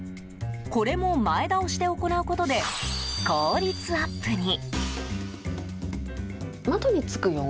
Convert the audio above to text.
これも前倒しで行なうことで効率アップに。